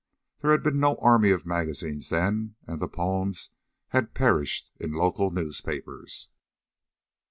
There had been no army of magazines then, and the poems had perished in local newspapers.